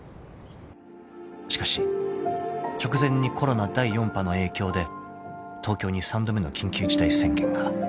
［しかし直前にコロナ第４派の影響で東京に三度目の緊急事態宣言が］